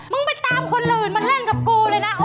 มึงไปตามคนอื่นมาเล่นกับกูเลยนะโอ้โฮ